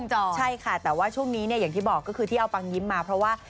ใช่ค่ะแต่ว่าช่วงนี้เนี่ยอย่างที่บอกก็คือที่เอาปังยิ้มมาเพราะว่า